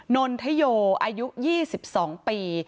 นนทโยอายุ๒๒ปี